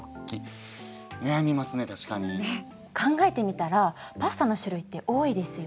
考えてみたらパスタの種類って多いですよね。